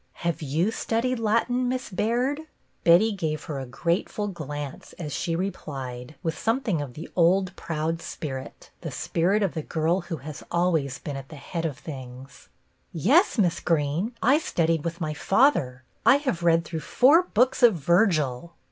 " Have you studied Latin, Miss Baird ?" Betty gave her a grateful glance as she replied, with something of the old proud spirit, the spirit of the girl who has always been at the head of things, — "Yes, Miss Greene. I studied with my father. I have read through four books of Virgil."